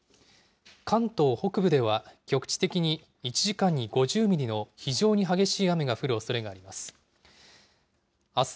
関東北部では局地的に１時間に５０ミリの非常に激しい雨が降るおそれがあります。